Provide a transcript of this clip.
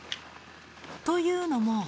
というのも。